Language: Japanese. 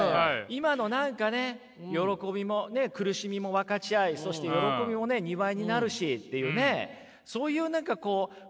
今の何かね喜びも苦しみも分かち合いそして喜びもね２倍になるしっていうねそういう何かこう雰囲気を共有したいっていうことですよね？